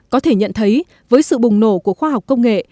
có thể nhận thấy với sự bùng nổ của khoa học công nghệ